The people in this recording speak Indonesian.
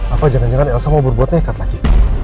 apa jangan jangan elsa mau berbuat nekat lagi